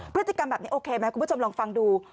พฤติกรรมแบบนี้โอเคไหมคุณผู้ชมลองฟังดู